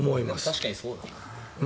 確かにそうだなと。